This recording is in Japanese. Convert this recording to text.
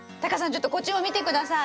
ちょっとこっちも見て下さい。